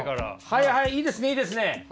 はいはいいいですいいですね。